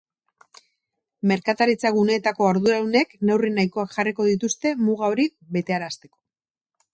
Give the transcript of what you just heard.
Merkataritza-guneetako arduradunek neurri nahikoak jarriko dituzte muga hori betearazteko.